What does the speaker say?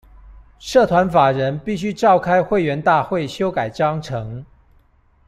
社團法人必須召開會員大會修改章程